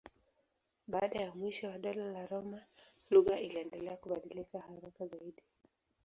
Baada ya mwisho wa Dola la Roma lugha iliendelea kubadilika haraka zaidi.